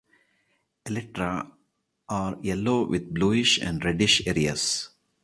Elytra are yellow with bluish and reddish areas.